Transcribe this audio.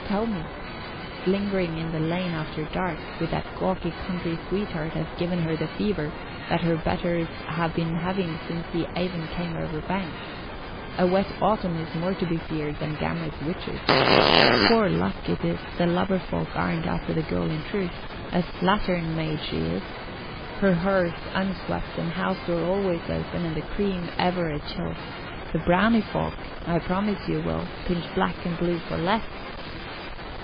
"Tell me! 'Tis lingering in the lane after dark with that gawky country sweetheart has given her the fever that her betters have been having since the Avon come over bank. A wet autumn is more to be feared than Gammer's witches. Poor luck it is the lubberfolk aren't after the girl in truth; a slattern maid she is, her hearth unswept and house door always open and the cream ever a chill. The brownie folk, I promise you, Will, pinch black and blue for less."